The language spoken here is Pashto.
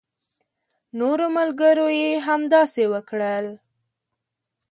نورو ملګرو يې هم همداسې وکړل.